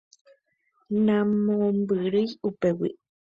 Namombyrýi upégui.